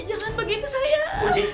uci jangan begitu sayang